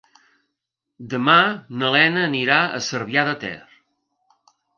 Demà na Lena anirà a Cervià de Ter.